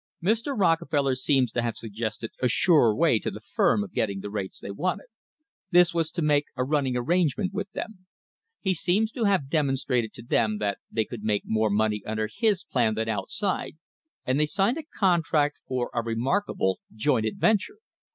Mr. Rockefeller seems to have suggested a surer way to the firm of getting the rates they wanted. This was to make a running arrangement with him. He seems to have demonstrated to them that they could make more money under his plan than outside, and they signed a contract for a remarkable "joint adventure."